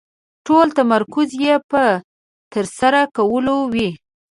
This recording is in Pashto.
ټول تمرکز يې په ترسره کولو وي.